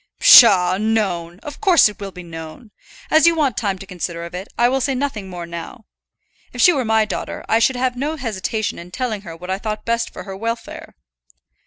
"Psha, known! of course it will be known. As you want time to consider of it, I will say nothing more now. If she were my daughter, I should have no hesitation in telling her what I thought best for her welfare."